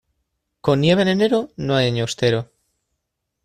Con nieve en enero, no hay año austero.